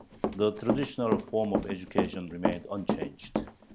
The traditional form of education remained unchanged.